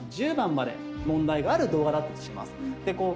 番まで問題がある動画だったとします